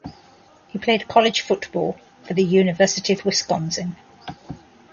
He played college football for the University of Wisconsin.